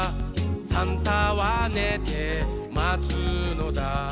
「サンタはねてまつのだ」